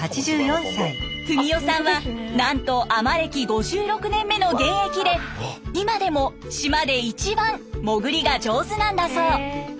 文代さんはなんと海女歴５６年目の現役で今でも島で一番潜りが上手なんだそう。